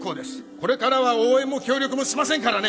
これからは応援も協力もしませんからね